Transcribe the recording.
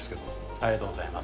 ありがとうございます。